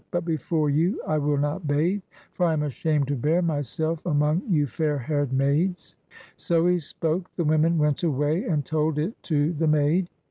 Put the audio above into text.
But before you I will not bathe; for I am ashamed to bare myself among you fair haired maids." So he spoke; the women went away, and told it to the maid.